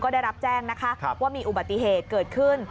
ได้รับแจ้งนะคะว่ามีอุบัติเหตุเกิดขึ้น